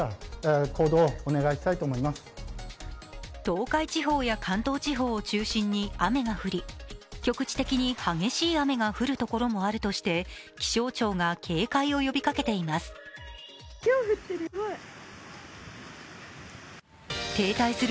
東海地方や関東地方を中心に雨が降り、局地的に激しい雨が降る所もあるとして、気象庁が警戒を呼びかけています。